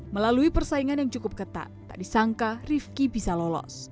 melalui persaingan yang cukup ketat tak disangka rifki bisa lolos